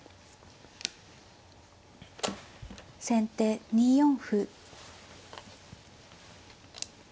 先手２四歩。